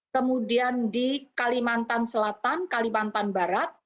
kemudian di kalimantan selatan kalimantan barat